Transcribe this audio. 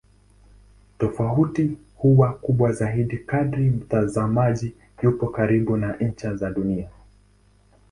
Tofauti hii huwa kubwa zaidi kadri mtazamaji yupo karibu na ncha za Dunia.